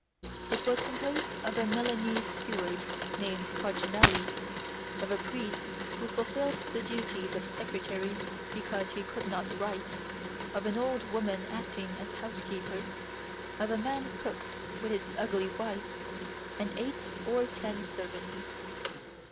It was composed of a Milanese steward, named Carcinelli, of a priest who fulfilled the duties of secretary because he could not write, of an old woman acting as housekeeper, of a man cook with his ugly wife, and eight or ten servants.